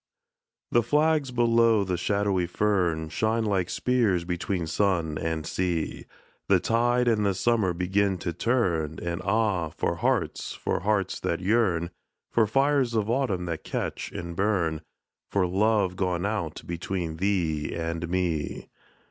THE flags below the shadowy fern Shine like spears between sun and sea, The tide and the summer begin to turn, And ah, for hearts, for hearts that yearn, For fires of autumn that catch and burn, For love gone out between thee and me.